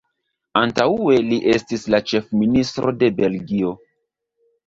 Antaŭe li estis la ĉefministro de Belgio.